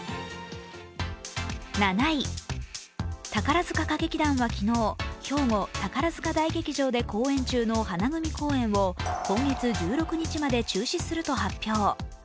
７位、宝塚大劇場は昨日兵庫・宝塚大劇場で公演中の花組公演を今月１６日まで中止すると発表。